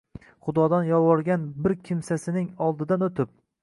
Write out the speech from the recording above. Xudodan yolvorgan bir kimsasining oldidan o'tib